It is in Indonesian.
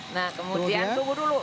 nah kemudian tunggu dulu